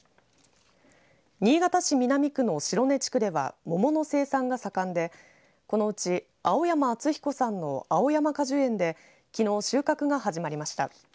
新潟市南区の白根地区では桃の生産が盛んでこのうち青山淳彦さんのアオヤマ果樹園できのう、収穫が始まりました。